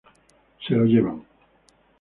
Se lo llevan.